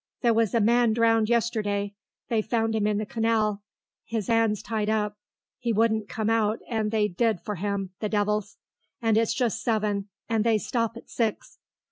There was a man drowned yesterday; they found 'im in the canal, 'is 'ands tied up; 'e wouldn't come out, and so they did for 'im, the devils. And it's just seven, and they stop at six."